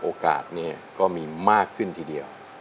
โอกาสเนี่ยก็มีมากขึ้นทีเดียว